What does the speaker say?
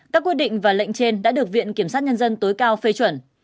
các quyết định và lệnh trên đã được viện kiểm sát nhân dân tối cao phê chuẩn